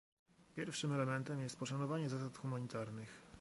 Pierwszym elementem jest poszanowanie zasad humanitarnych